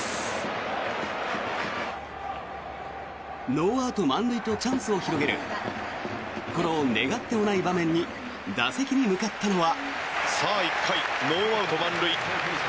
ノーアウト満塁とチャンスを広げるこの願ってもない場面に打席に向かったのは。